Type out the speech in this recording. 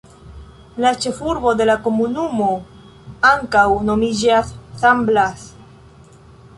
La ĉefurbo de la komunumo ankaŭ nomiĝas San Blas.